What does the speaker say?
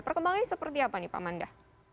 perkembangannya seperti apa nih pak manda